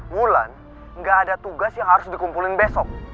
wulan gak ada tugas yang harus dikumpulin besok